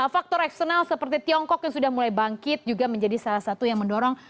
faktor eksternal seperti tiongkok yang sudah mulai bangkit juga menjadi salah satu yang mendorong